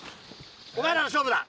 お前らの勝負だ。